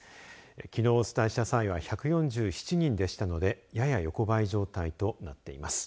きのうお伝えした際は１４７人でしたのでやや横ばい状態となっています。